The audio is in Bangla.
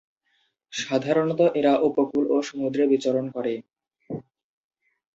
সাধারণত এরা উপকূল ও সমুদ্রে বিচরণ করে।